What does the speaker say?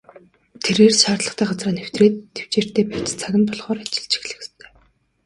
Тэрээр шаардлагатай газраа нэвтрээд тэвчээртэй байж цаг нь болохоор ажиллаж эхлэх ёстой.